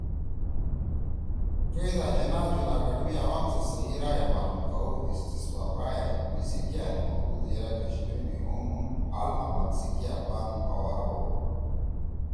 ”کئیدا جناح جوناگڑھ می عوام سی صحیح رائے معلوم کؤ (اصتصواب رائے) میِسی کیا نمؤدُو یرأ کشمیر می ہُم ہال عمل کیا پان ہوار ہُوً“۔